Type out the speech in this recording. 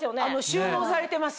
収納されてます